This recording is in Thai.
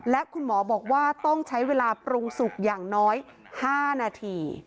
และคุณหมอบอกว่าต้องใช้เวลาปรุงสุกอย่างน้อย๕นาที